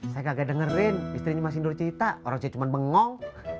saya kagak dengerin istrinya masih indro cerita orang cerita cuma bengong